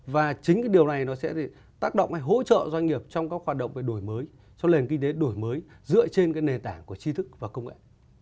và chính cái điều này nó sẽ tác động hay hỗ trợ doanh nghiệp trong các hoạt động về đổi mới cho nền kinh tế đổi mới dựa trên cái nền tảng của chi thức và công nghệ